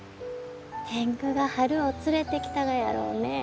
天狗が春を連れてきたがやろうね。